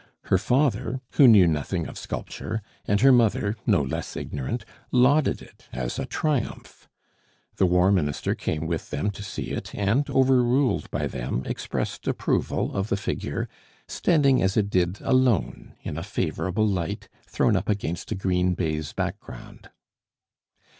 Her father, who knew nothing of sculpture, and her mother, no less ignorant, lauded it as a triumph; the War Minister came with them to see it, and, overruled by them, expressed approval of the figure, standing as it did alone, in a favorable light, thrown up against a green baize background.